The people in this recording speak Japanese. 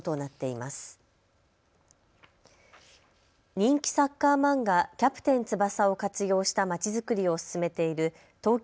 人気サッカー漫画、キャプテン翼を活用したまちづくりを進めている東京